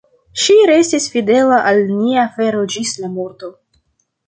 Ŝi restis fidela al nia afero ĝis la morto.